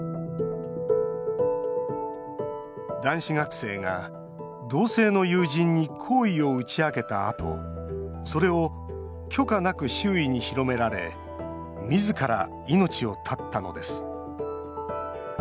男子学生が同性の友人に好意を打ち明けたあとそれを許可なく周囲に広められみずから命を絶ったのです。